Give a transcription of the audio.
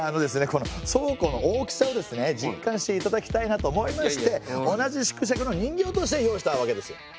この倉庫の大きさをですね実感していただきたいなと思いまして同じ縮尺の人形として用意したわけですよ。